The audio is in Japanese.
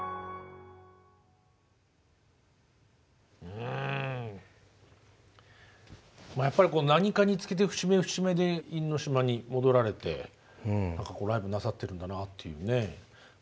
うんやっぱり何かにつけて節目節目で因島に戻られてライブなさってるんだなっていうね。